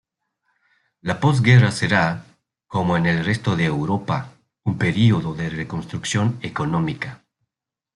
La posguerra será, como en el resto de Europa, un período de reconstrucción económica.